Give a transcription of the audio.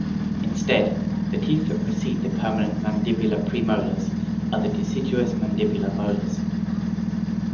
Instead, the teeth that precede the permanent mandibular premolars are the deciduous mandibular molars.